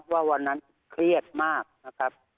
ว่าวันนั้นเครียดมากนะครับ